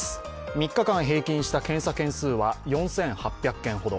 ３日間平均した検査件数は４８００件ほど。